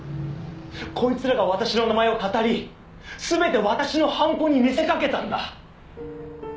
「こいつらが私の名前を騙り全て私の犯行に見せかけたんだ！」